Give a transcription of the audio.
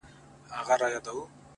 هغې ويله ځمه د سنگسار مخه يې نيسم ـ